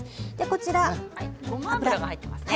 ごま油が入っていますね。